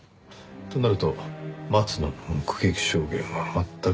となると松野の目撃証言は全くのでたらめ。